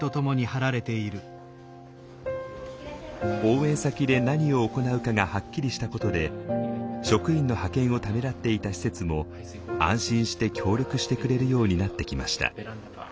応援先で何を行うかがはっきりしたことで職員の派遣をためらっていた施設も安心して協力してくれるようになってきました。